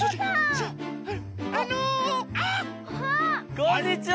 こんにちは！